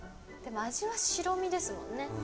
でも味は白身ですもんね。